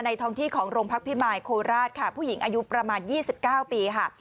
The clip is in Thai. ในท้องที่ของโรงพักพิมายโคลราชค่ะผู้หญิงอายุประมาณยี่สิบเก้าปีค่ะ